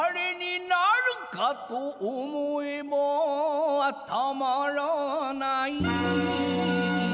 「なるかと思えばたまらない」